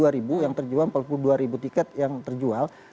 dua ribu yang terjual empat puluh dua ribu tiket yang terjual